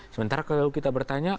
sementara kalau kita bertanya